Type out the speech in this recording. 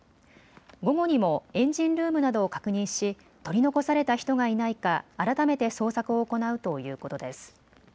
午後にもエンジンルームなどを確認し取り残された人がいないか改めて捜索を行うということです。